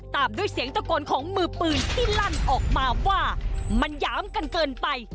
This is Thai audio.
ตามด้วยเสียงตะโกนของมือปืนที่ลั่นออกมาว่ามันหยามกันเกินไป